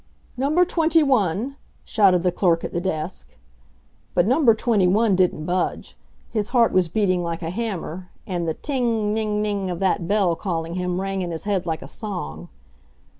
"Number Twenty one!" shouted the clerk at the desk. But Number Twenty one didn't budge. His heart was beating like a hammer, and the ting ng ng of that bell calling him rang in his head like a song.